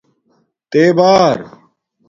تے بار